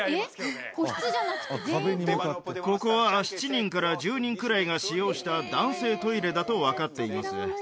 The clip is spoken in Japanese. ここは７人から１０人くらいが使用した男性トイレだと分かっています